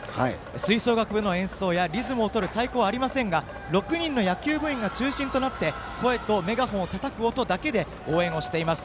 吹奏楽部の演奏やリズムをとる太鼓はありませんが６人の野球部員が中心となって声とメガホンをたたく音だけで応援をしています。